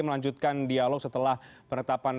melanjutkan dialog setelah penetapan